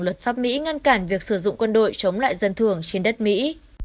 luật pháp mỹ ngăn cản việc sử dụng quân đội chống lại dân thường trên đất mỹ